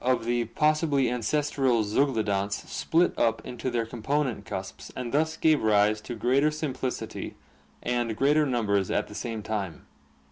of the possibly ancestral zeuglodonts split up into their component cusps and thus gave rise to greater simplicity and greater numbers at the same time.